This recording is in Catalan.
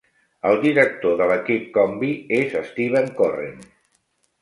El director de l'equip Comby és Steven Corren.